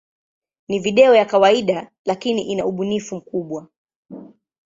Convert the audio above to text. Ni video ya kawaida, lakini ina ubunifu mkubwa.